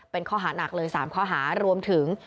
เป็นข้อหานักเลย๓ข้อหารวมถึง